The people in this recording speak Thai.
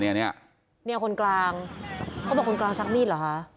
เนี่ยคนกลางเขาบอกคนกลางชักมีดเหรอคะ